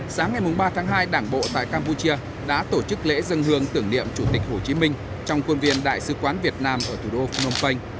sáng ngày ba tháng hai đảng bộ tại campuchia đã tổ chức lễ dân hương tưởng niệm chủ tịch hồ chí minh trong quân viên đại sứ quán việt nam ở thủ đô phnom penh